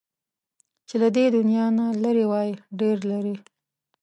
چې له دې دنيا نه لرې وای، ډېر لرې